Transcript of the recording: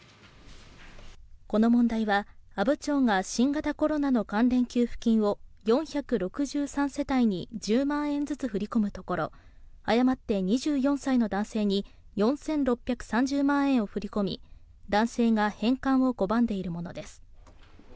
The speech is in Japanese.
この問題は阿武町が新型コロナの関連給付金を４６３世帯に１０万円ずつ振り込むところ誤って２４歳の男性に４６３０万円を振り込み男性が返還を拒んでいるものです。